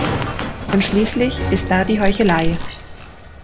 Und schließlich ist da die Heuchelei.